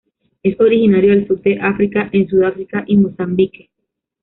Es originario del sur de África en Sudáfrica y Mozambique.